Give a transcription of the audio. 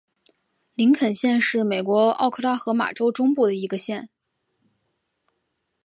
林肯县是美国奥克拉荷马州中部的一个县。